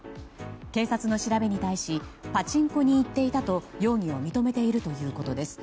警察の調べに対しパチンコに行っていたと容疑を認めているということです。